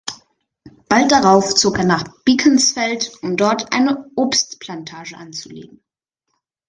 Bald darauf zog er nach Beaconsfield, um dort eine Obstplantage anzulegen.